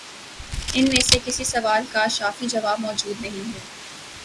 ان میں سے کسی سوال کا شافی جواب مو جود نہیں ہے۔